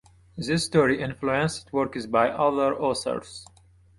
This story influenced works by other authors.